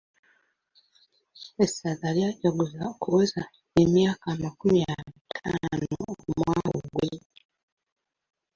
Essaza lyajaguza okuweza emyaka amakumi ataano omwaka oguwedde.